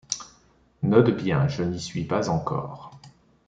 Note bien : je n’y suis pas encore.